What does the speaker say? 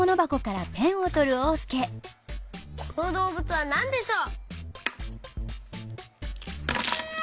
「このどうぶつはなんでしょう？」。